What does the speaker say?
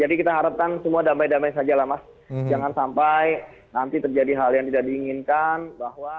jadi kita harapkan semua damai damai saja lah mas jangan sampai nanti terjadi hal yang tidak diinginkan bahwa